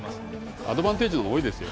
アドバンテージの方が多いですよ。